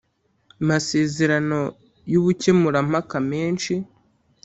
masezerano y ubukemurampaka menshi